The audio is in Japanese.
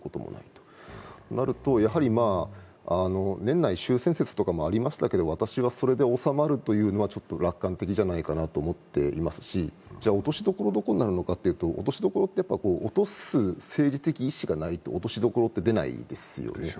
となると、やはり年内終戦説とかもありましたが、私はそれで収まるというのはちょっと楽観的じゃないかなと思っていますし落としどころはどこになるのかというと、落としどころというのは落とす政治的意思がないと、落としどころって出ないですよね。